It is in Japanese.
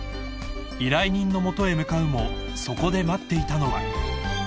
［依頼人の元へ向かうもそこで待っていたのは］